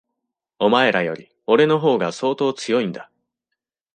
お前らより、俺の方が相当強いんだ。